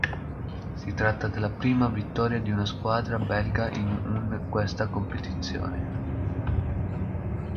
Si tratta della prima vittoria di una squadra belga in un questa competizione.